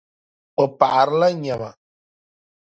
O paɣirila nyɛma.